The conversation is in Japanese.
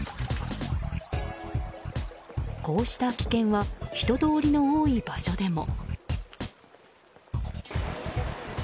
こうした危険は人通りの多い場所でも。